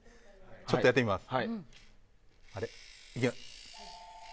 ちょっとやってみます。